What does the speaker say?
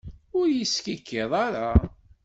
Ur iyi-skikkiḍet ara!